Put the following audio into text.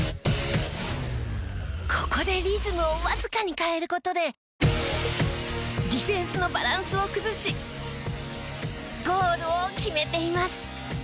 ここでリズムをわずかに変える事でディフェンスのバランスを崩しゴールを決めています。